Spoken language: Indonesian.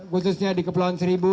khususnya di kepulauan seribu